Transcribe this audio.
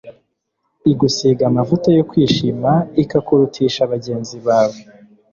igusiga amavuta yo kwishima ikakurutisha bagenzi bawe.»